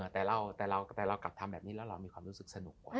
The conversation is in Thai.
แต่เรากลับทำแบบนี้แล้วเรามีความรู้สึกสนุกกว่า